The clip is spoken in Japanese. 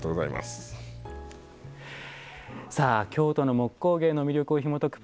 京都の木工芸の魅力をひもとく